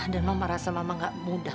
dan mama rasa mama nggak mudah